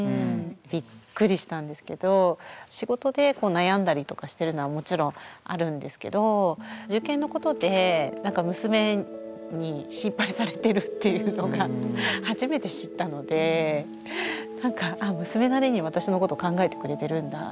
びっくりしたんですけど仕事で悩んだりとかしてるのはもちろんあるんですけど受験のことで娘に心配されてるっていうのが初めて知ったのでなんか娘なりに私のこと考えてくれてるんだって。